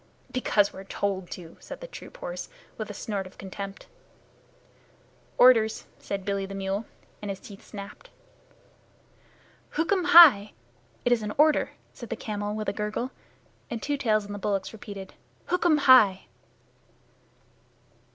"Because we're told to," said the troop horse, with a snort of contempt. "Orders," said Billy the mule, and his teeth snapped. "Hukm hai!" (It is an order!), said the camel with a gurgle, and Two Tails and the bullocks repeated, "Hukm hai!"